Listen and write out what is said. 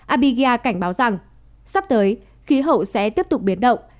abiga cảnh báo rằng sắp tới khí hậu sẽ tiếp tục biến động